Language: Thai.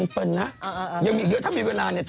มีเดี๋ยวถ้ามีเวลาจะเล่า